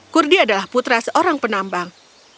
kurdi adalah putra seorang penambang